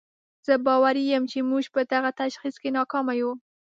زه باوري یم چې موږ په دغه تشخیص کې ناکامه یو.